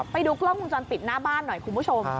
ไปดูกล้องวงจรปิดหน้าบ้านหน่อยคุณผู้ชม